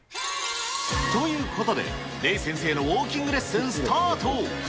ということで、レイ先生のウォーキングレッスンスタート。